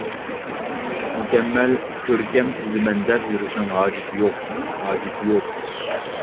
مۇكەممەل، كۆركەم سىزىمەن دەپ يۈرۈشنىڭ ھاجىتى يوق، ھاجىتى يوق!